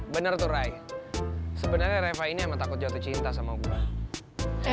bener tuh rai sebenarnya raiva ini emang takut jatuh cinta sama gue